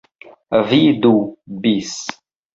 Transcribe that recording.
Vidu bis.